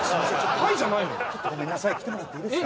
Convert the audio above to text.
「はい」じゃないのよちょっとごめんなさい来てもらっていいですか？